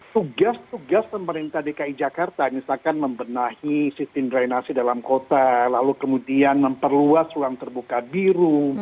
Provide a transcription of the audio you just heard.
tugas tugas pemerintah dki jakarta misalkan membenahi sistem drainasi dalam kota lalu kemudian memperluas ruang terbuka biru